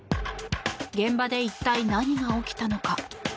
現場で一体、何が起きたのか。